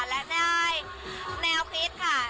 และได้แนวคิดค่ะ